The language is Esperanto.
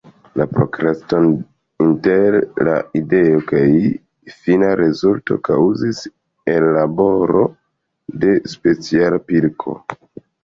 La prokraston inter la ideo kaj fina rezulto kaŭzis ellaboro de speciala pilko.